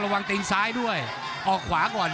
ภูตวรรณสิทธิ์บุญมีน้ำเงิน